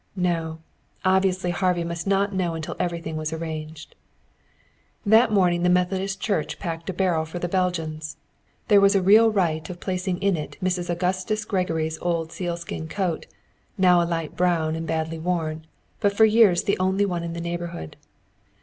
No, obviously Harvey must not know until everything was arranged. That morning the Methodist Church packed a barrel for the Belgians. There was a real rite of placing in it Mrs. Augustus Gregory's old sealskin coat, now a light brown and badly worn, but for years the only one in the neighborhood.